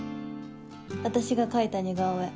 私が描いた似顔絵